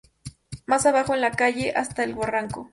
Más abajo en la calle hasta el barranco.